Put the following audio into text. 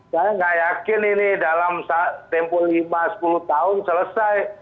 saya nggak yakin ini dalam tempo lima sepuluh tahun selesai